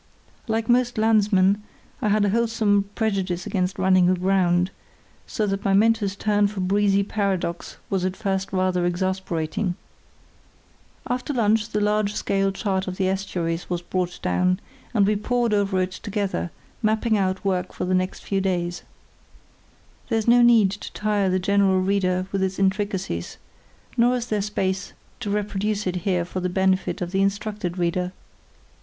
Like most landsmen I had a wholesome prejudice against running aground, so that my mentor's turn for breezy paradox was at first rather exasperating. After lunch the large scale chart of the estuaries was brought down, and we pored over it together, mapping out work for the next few days. There is no need to tire the general reader with its intricacies, nor is there space to reproduce it for the benefit of the instructed reader.